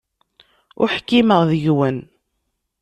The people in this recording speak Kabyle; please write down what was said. Ur ḥkimeɣ deg-wen.